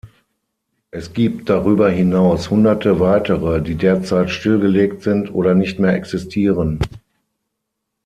Es gibt darüber hinaus Hunderte weitere, die derzeit stillgelegt sind oder nicht mehr existieren.